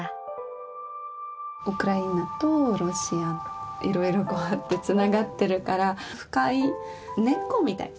ウクライナとロシアいろいろつながってるから深い根っこみたい。